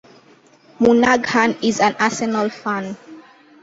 Murnaghan is an Arsenal fan.